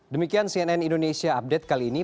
demikian cnn indonesia update kali ini